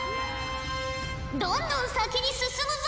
どんどん先に進むぞ！